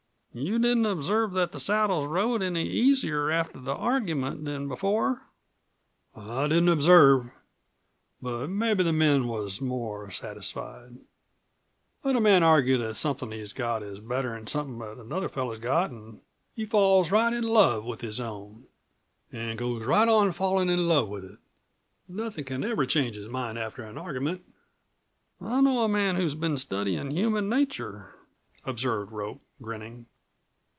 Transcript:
"You didn't observe that the saddles rode any easier after the argument than before?" "I didn't observe. But mebbe the men was more satisfied. Let a man argue that somethin' he's got is better'n somethin' that another fellow's got an' he falls right in love with his own an' goes right on fallin' in love with it. Nothin' c'n ever change his mind after an argument." "I know a man who's been studyin' human nature," observed Rope, grinning.